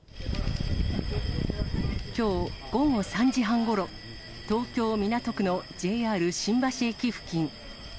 きょう午後３時半ごろ、東京・港区のＪＲ新橋駅付近。